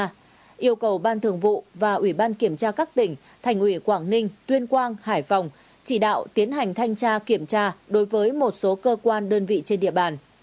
ubkt yêu cầu ban thường vụ và ubkt thành ủy quảng ninh tuyên quang hải phòng chỉ đạo tiến hành thanh tra kiểm tra đối với một số cơ quan đơn vị trên địa bàn